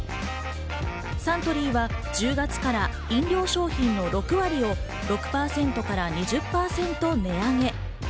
サントリーは１０月から飲料商品のおよそ６割を６％から２０％値上げ。